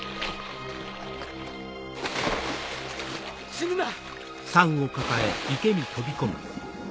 死ぬな！